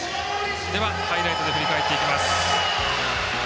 では、ハイライトで振り返っていきます。